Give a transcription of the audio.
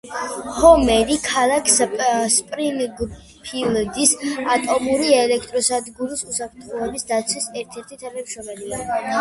ჰომერი ქალაქ სპრინგფილდის ატომური ელექტროსადგურის უსაფრთხოების დაცვის ერთ-ერთი თანამშრომელია.